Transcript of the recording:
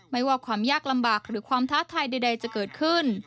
ไม่ว่าความยากลำบากหรือความท้าทายใดจะเกิดขึ้น